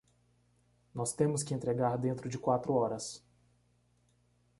Nós temos que entregar dentro de quatro horas